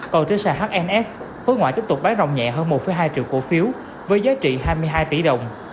còn trên sàn hns khối ngoại tiếp tục bán rồng nhẹ hơn một hai triệu cổ phiếu với giá trị hai mươi hai tỷ đồng